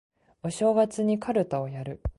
お正月にかるたをやる